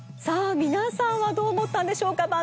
さあみなさんはどうおもったでしょうか？